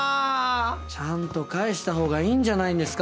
ちゃんと返した方がいいんじゃないんですか？